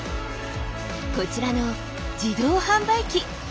こちらの自動販売機。